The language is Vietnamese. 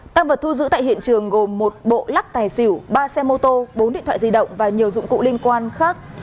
tăng vật thu giữ tại hiện trường gồm một bộ lắc tài xỉu ba xe mô tô bốn điện thoại di động và nhiều dụng cụ liên quan khác